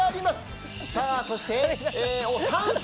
さあそして酸素！